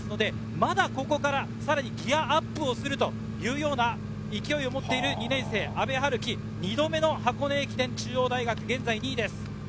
まだここからギアアップをするというような勢いを持っている、２年生・阿部陽樹、２度目の箱根駅伝、中央大学、現在２位です。